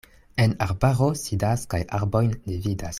En arbaro sidas kaj arbojn ne vidas.